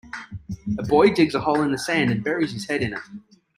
A boy digs a hole in the sand and buries his head in it.